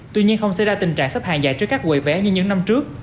tuy nhiên không sẽ ra tình trạng sắp hàng dài trước các quầy vé như những năm trước